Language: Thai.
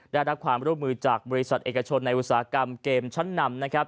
ได้รับความร่วมมือจากบริษัทเอกชนในอุตสาหกรรมเกมชั้นนำนะครับ